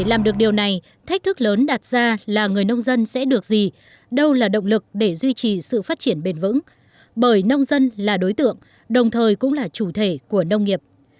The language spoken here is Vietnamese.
để làm được điều này thách thức lớn đặt ra là người nông dân sẽ được gì đâu là động lực để duy trì sự phát triển bền vững bởi nông dân là đối tượng đồng thời cũng là chủ thể của nông nghiệp